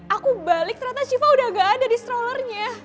aku balik ternyata shiva udah gak ada di strollernya